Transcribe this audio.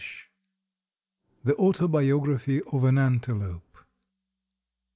] THE AUTOBIOGRAPHY OF AN ANTELOPE.